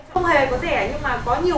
không hề có rẻ đâu